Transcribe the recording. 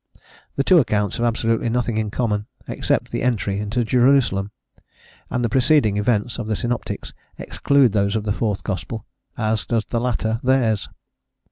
The two accounts have absolutely nothing in common except the entry into Jerusalem, and the preceding events of the synoptics exclude those of the fourth gospel, as does the latter theirs.